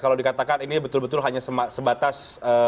kalau dikatakan ini betul betul hanya sebatas